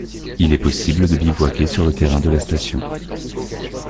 Il est possible de bivouaquer sur le terrain de la station.